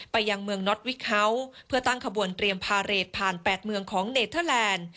ยังเมืองน็อตวิกเฮาส์เพื่อตั้งขบวนเตรียมพาเรทผ่าน๘เมืองของเนเทอร์แลนด์